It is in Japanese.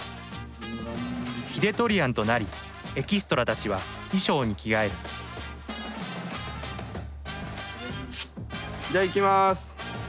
ヒデトリアンとなりエキストラたちは衣装に着替えるじゃあいきます。